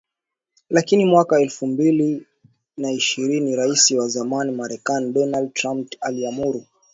Lakini mwaka elfu mbili na ishini Rais wa zamani Marekani Donald Trump aliamuru